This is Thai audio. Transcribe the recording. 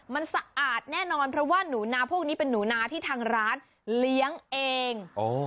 มันสะอาดแน่นอนเพราะว่าหนูนาพวกนี้เป็นหนูนาที่ทางร้านเลี้ยงเอง